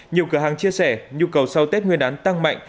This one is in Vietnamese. nhiều cửa hàng chia sẻ nhu cầu sau tết nguyên đán tăng mạnh